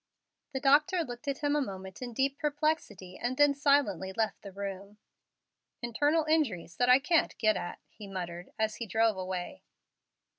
The doctor looked at him a moment in deep perplexity, and then silently left the room. "Internal injuries that I can't get at," he muttered, as he drove away.